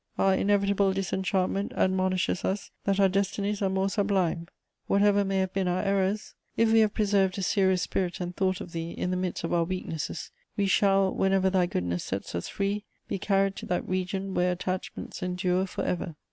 Our inevitable disenchantment admonishes us that our destinies are more sublime. Whatever may have been our errors, if we have preserved a serious spirit and thought of Thee in the midst of our weaknesses, we shall, whenever Thy goodness sets us free, be carried to that region where attachments endure for ever!